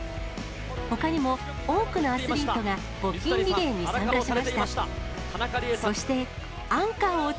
ほかにも、多くのアスリートが募金リレーに参加しました。